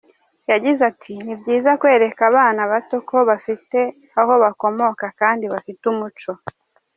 Yagize ati “Ni byiza kwereka abana bato ko bafite aho bakomoka kandi bafite umuco.